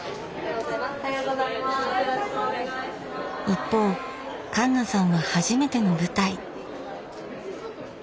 一方環奈さんは初めての舞台。